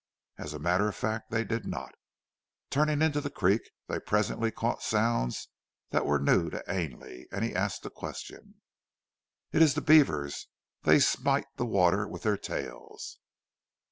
As a matter of fact they did not. Turning into the creek they presently caught sounds that were new to Ainley, and he asked a question. "It is the beavers. They smite the water with their tails!"